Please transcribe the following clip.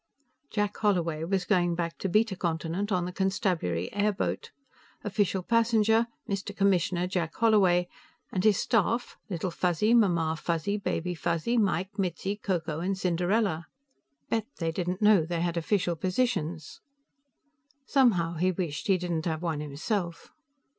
Jack Holloway was going back to Beta Continent on the constabulary airboat. Official passenger: Mr. Commissioner Jack Holloway. And his staff: Little Fuzzy, Mamma Fuzzy, Baby Fuzzy, Mike, Mitzi, Ko Ko and Cinderella. Bet they didn't know they had official positions! Somehow he wished he didn't have one himself.